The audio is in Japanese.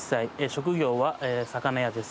職業は魚屋です。